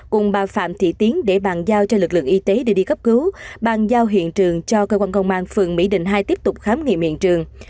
cùng bà phạm thị tiến để bàn giao cho lực lượng y tế đưa đi cấp cứu bàn giao hiện trường cho cơ quan công an phường mỹ đình hai tiếp tục khám nghiệm hiện trường